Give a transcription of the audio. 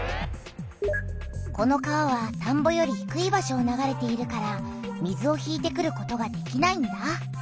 この川は田んぼよりひくい場所を流れているから水を引いてくることができないんだ！